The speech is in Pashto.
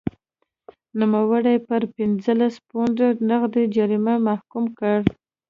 نوموړی یې پر پنځلس پونډه نغدي جریمې محکوم کړ.